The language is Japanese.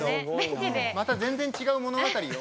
また全然違う物語よ。